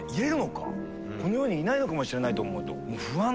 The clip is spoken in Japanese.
この世にいないのかもしれないと思うと。